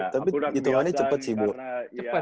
tapi ya aku udah kebiasaan